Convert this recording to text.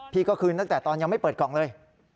พี่ก็คืนตั้งแต่ตอนยังไม่เปิดกล่องเลย